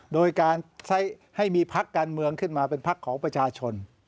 โดยการใช้ให้มีพักการเมืองขึ้นมาเป็นพักของประชาชน